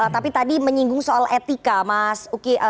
tapi tadi menyinggung soal etika mas uki